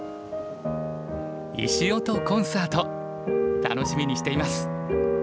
石音コンサート楽しみにしています。